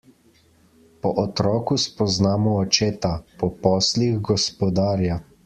Po otroku spoznamo očeta, po poslih gospodarja.